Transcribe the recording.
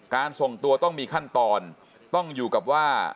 ส่งตัวต้องมีขั้นตอนต้องอยู่กับว่า